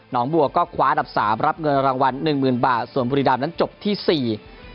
หนองบัวก็คว้าอันดับ๓รับเงินรางวัล๑๐๐๐๐บาทส่วนบุรีรัมนั้นจบที่๔